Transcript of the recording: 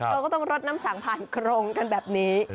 เราก็ต้องรดน้ำสังผ่านโครงกันแบบนี้